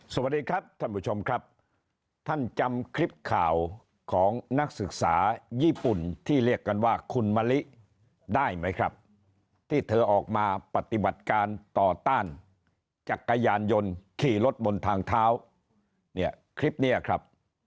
สวัสดีครับท่านผู้ชมครับท่านจำคลิปข่าวของนักศึกษาญี่ปุ่นที่เรียกกันว่าคุณมะลิได้ไหมครับที่เธอออกมาปฏิบัติการต่อต้านจักรยานยนต์ขี่รถบนทางเท้าเนี่ยคลิปนี้ครับ